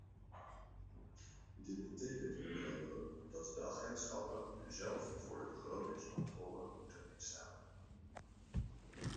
Dit betekent onder andere dat de agentschappen nu zelf voor de begrotingscontrole moeten instaan.